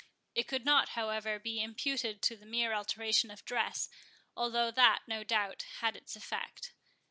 It could not, however, be imputed to the mere alteration of dress, although that, no doubt, had its effect.